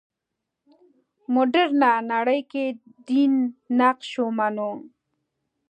مډرنه نړۍ کې دین نقش ومنو.